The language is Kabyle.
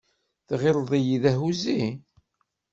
Tɣilleḍ-iyi d ahuẓẓi?